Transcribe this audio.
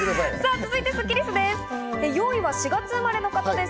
続いてスッキりすです。